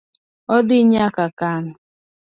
Odhi nyaka kan.